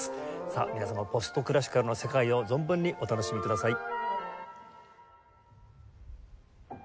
さあ皆様ポストクラシカルの世界を存分にお楽しみください。